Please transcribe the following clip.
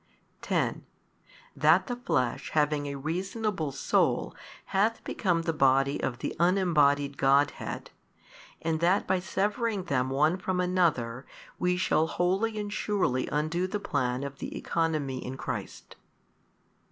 |195 10. That the flesh having a reasonable soul hath become the Body of the unembodied Godhead, and that by severing them one from another, we shall wholly and surely undo the plan of the economy in Christ.